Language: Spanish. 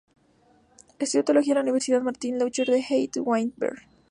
Estudió teología en la Universidad Martin Luther de Halle-Wittenberg.